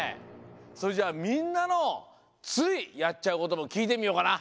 それじゃあみんなのついやっちゃうこともきいてみようかな。